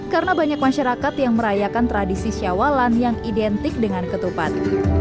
karena banyak masyarakat yang merayakan tradisi syawalan yang identik dengan ketupat